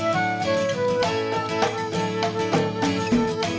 aduh aduh aduh